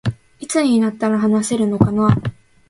いつになったら話せるのかな